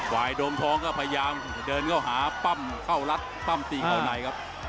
โดมทองก็พยายามเดินเข้าหาปั้มเข้ารัดปั้มตีเข้าในครับ